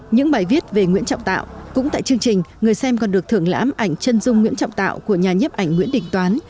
những bài viết về nguyễn trọng tạo cũng tại chương trình người xem còn được thưởng lãm ảnh chân dung nguyễn trọng tạo của nhà nhếp ảnh nguyễn đình toán